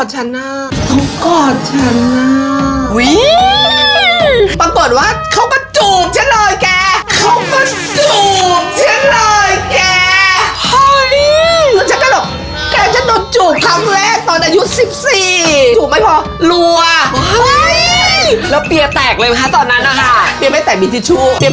เฮ้ยยย